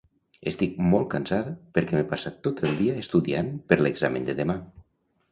Estic molt cansada perquè m'he passat tot el dia estudiant per l'examen de demà.